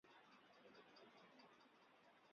草莓听说不错